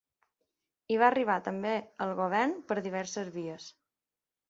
I va arribar també al govern per diverses vies.